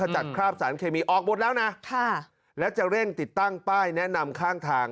จัดคราบสารเคมีออกหมดแล้วนะแล้วจะเร่งติดตั้งป้ายแนะนำข้างทาง